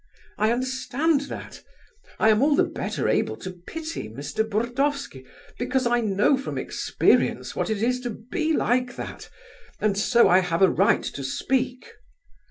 I understand that. I am all the better able to pity Mr. Burdovsky, because I know from experience what it is to be like that, and so I have a right to speak.